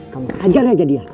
kamu hajar aja dia